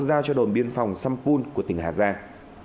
giao cho đồn biên phòng sampun của tỉnh hà giang